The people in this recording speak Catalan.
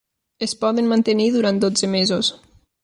Es poden mantenir durant dotze mesos.